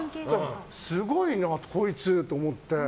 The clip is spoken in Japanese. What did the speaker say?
すごいなこいつって思って。